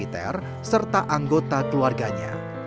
untuk menempatkan parliament of europe satu